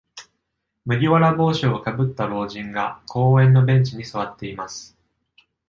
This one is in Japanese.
麦わら帽子をかぶった老人が公園のベンチに座っています。